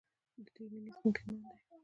د دې مینه زموږ ایمان دی؟